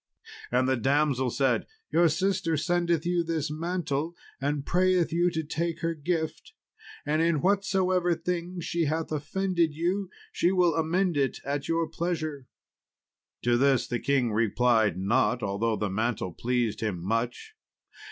And the damsel said, "Your sister sendeth you this mantle, and prayeth you to take her gift, and in whatsoever thing she hath offended you, she will amend it at your pleasure." To this the king replied not, although the mantle pleased him much.